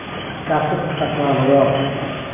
کافر پخه گاڵهگال